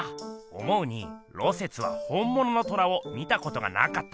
思うに芦雪は本ものの虎を見たことがなかった！